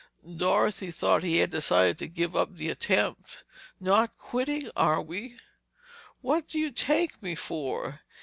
Dorothy thought he had decided to give up the attempt. "Not quitting, are we?" "What do you take me for?